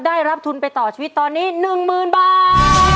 ได้รับทุนไปต่อชีวิตตอนนี้หนึ่งหมื่นบาท